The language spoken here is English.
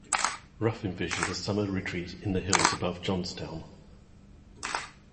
Ruff envisioned a summer retreat in the hills above Johnstown.